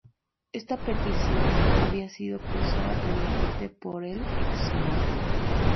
Esta petición había sido cursada previamente por el Excmo.